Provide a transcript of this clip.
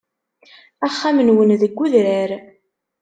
Axxam-nwen deg udrar.